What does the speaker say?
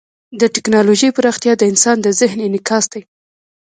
د ټیکنالوژۍ پراختیا د انسان د ذهن انعکاس دی.